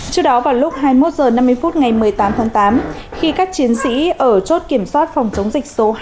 trước đó vào lúc hai mươi một h năm mươi phút ngày một mươi tám tháng tám khi các chiến sĩ ở chốt kiểm soát phòng chống dịch số hai